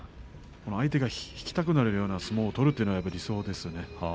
相手が引きたくなるような相撲を取るのが理想です。